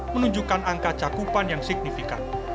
menunjukkan angka cakupan yang signifikan